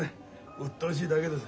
うっとうしいだけです。